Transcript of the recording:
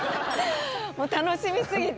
もう楽しみすぎて。